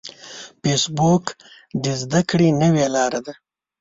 فېسبوک د زده کړې نوې لاره ده